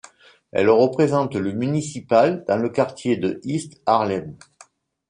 Elle représente le municipal dans le quartier de East Harlem.